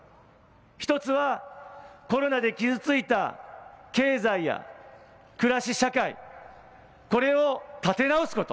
１つはコロナで傷ついた経済や暮らし社会、これを立て直すこと。